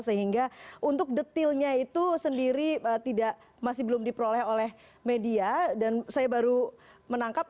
sehingga untuk detailnya itu sendiri masih belum diperoleh oleh media dan saya baru menangkap